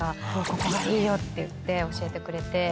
「ここがいいよ」って言って教えてくれて。